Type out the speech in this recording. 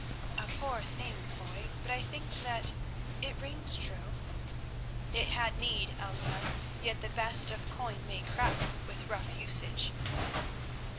"A poor thing, Foy, but I think that—it rings true." "It had need, Elsa, yet the best of coin may crack with rough usage."